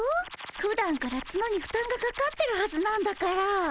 ふだんからツノにふたんがかかってるはずなんだから。